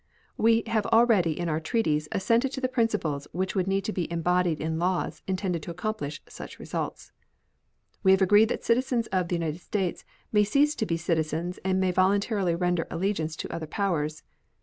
We have already in our treaties assented to the principles which would need to be embodied in laws intended to accomplish such results. We have agreed that citizens of the United States may cease to be citizens and may voluntarily render allegiance to other powers.